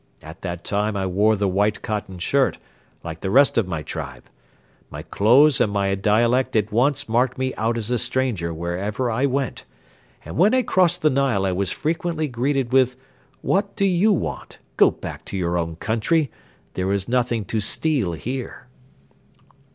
At that time I wore the white cotton shirt, like the rest of my tribe. My clothes and my dialect at once marked me out as a stranger wherever I went; and when I crossed the Nile I was frequently greeted with "What do you want? Go back to your own country. There is nothing to steal here."'